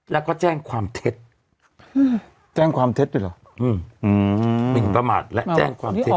แล้วก็แจ้งความเท็จแจ้งความเท็จด้วยเหรอหมินประมาทและแจ้งความเท็จ